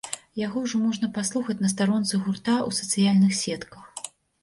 Яго ўжо можна паслухаць на старонцы гурта ў сацыяльных сетках.